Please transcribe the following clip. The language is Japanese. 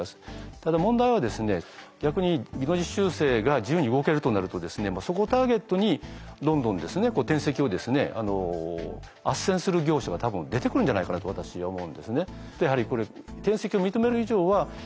ただ問題は逆に技能実習生が自由に動けるとなるとそこをターゲットにどんどん転籍をあっせんする業者が多分出てくるんじゃないかなと私思うんですね。